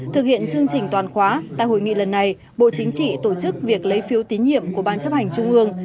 thực hiện chương trình toàn khóa tại hội nghị lần này bộ chính trị tổ chức việc lấy phiếu tín nhiệm của ban chấp hành trung ương